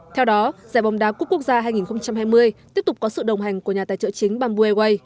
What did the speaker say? theo đó giải bóng đá quốc gia hai nghìn hai mươi tiếp tục có sự đồng hành của nhà tài trợ chính bambueway